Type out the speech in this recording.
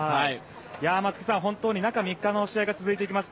松木さん、本当に中３日の試合が続いていきます。